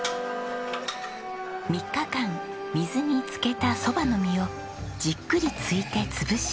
３日間水に漬けた蕎麦の実をじっくり突いて潰し